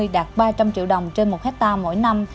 đạt ba trăm linh triệu đồng trên một hectare mỗi năm